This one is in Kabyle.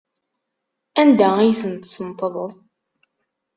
Anda ay ten-tesneṭḍeḍ?